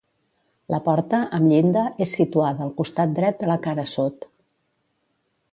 La porta, amb llinda, és situada al costat dret de la cara sud.